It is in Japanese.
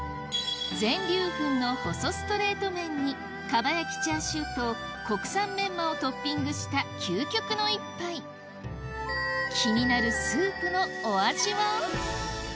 全粒粉の細ストレート麺に蒲焼きチャーシューと国産メンマをトッピングした究極の一杯気になるスープのお味は？